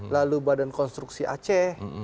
lalu badan konstruksi aceh